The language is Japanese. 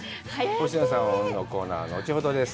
星野さんのコーナーは後ほどです。